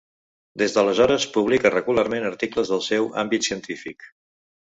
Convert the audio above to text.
Des d'aleshores publica regularment articles del seu àmbit científic.